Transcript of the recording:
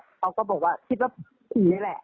เขาก็บอกว่าพิษว่าผีแหละ